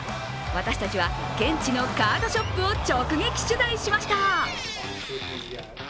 私たちは現地のカードショップを直撃取材しました。